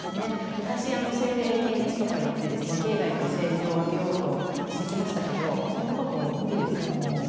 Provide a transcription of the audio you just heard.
昔、政令系列とか言って政治と経済を分けようとしてきましたけどそんなことはもう無理ですね。